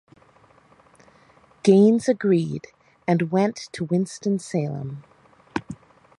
Gaines agreed and went to Winston-Salem.